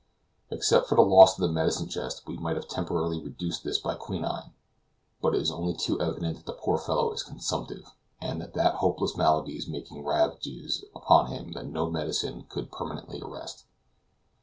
Except for the loss of the medicine chest we might have temporarily reduced this by quinine; but it is only too evident that the poor fellow is consumptive, and that that hopeless malady is making ravages upon him that no medicine could permanently arrest.